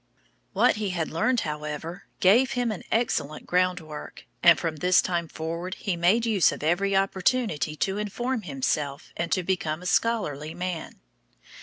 What he had learned, however, gave him an excellent groundwork, and from this time forward he made use of every opportunity to inform himself and to become a scholarly man.